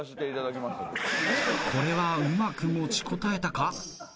これはうまく持ちこたえたか？